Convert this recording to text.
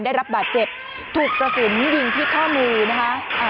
ได้รับบาดเจ็บถูกกระสุนยิงที่ข้อมือนะคะ